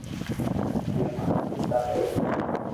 تمي مارا پيتا ھون